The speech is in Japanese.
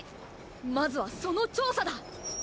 まずはその調査だ！